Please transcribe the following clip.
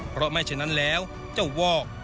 เพราะไม่ฉะนั้นแล้วเจ้าวอก